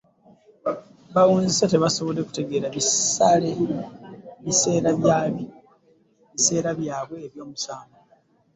Bawunzika tebasobodde kutegekera biseera byabwe eby'omumaaso